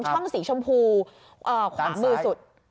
ช่องสีชมพูขวามือสุด